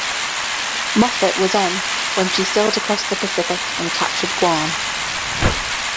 Moffett was on when she sailed across the Pacific and captured Guam.